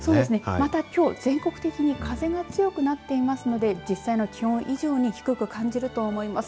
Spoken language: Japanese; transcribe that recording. またきょう全国的に風が強くなっていますので実際の気温以上に低く感じると思います。